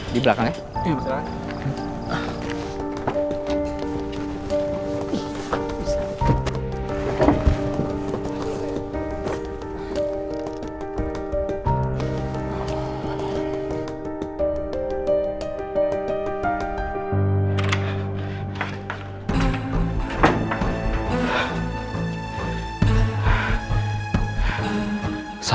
di belakang ya